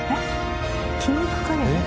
筋肉カレー？